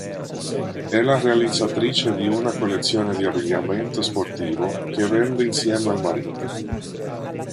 È la realizzatrice di una collezione di abbigliamento sportivo che vende insieme al marito.